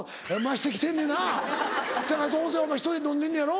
せやからどうせお前１人で飲んでんのやろ？